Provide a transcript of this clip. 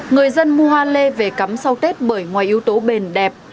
người dân mua hoa lê về cắm sau tết bởi ngoài yếu tố bền đẹp